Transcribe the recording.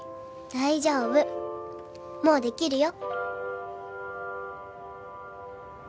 大丈夫もうできるよ。